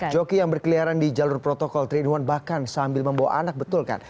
joki yang berkeliaran di jalur protokol tiga in satu bahkan sambil membawa anak betul kan